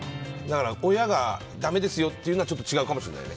親がだめですよって言うのはちょっと違うかもしれないね。